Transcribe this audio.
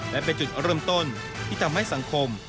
และเป็นจุดเริ่มต้นที่ทำให้สังคม